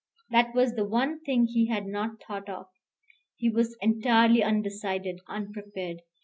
That was the one thing he had not thought of. He was entirely undecided, unprepared.